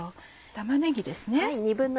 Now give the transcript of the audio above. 玉ねぎですね。